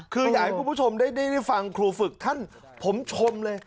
คืออยากให้คุณผู้ชมได้ฟังครูฝึกท่านผมชมเลย